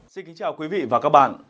xin kính chào quý vị và các bạn